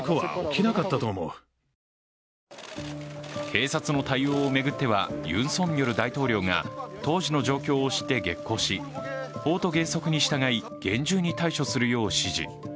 警察の対応を巡ってはユン・ソンニョル大統領が当時の状況を知って激高し法と原則に従い原則に対処するよう指示。